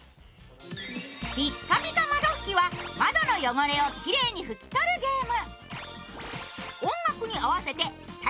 「ピッカピカ窓ふき」は窓の汚れをきれいに拭き取るゲーム。